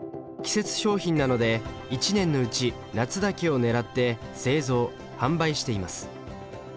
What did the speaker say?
季節商品なので１年のうち夏だけを狙って製造・販売しています。